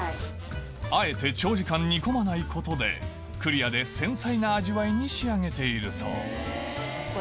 あえて長時間煮込まないことでクリアで繊細な味わいに仕上げているそう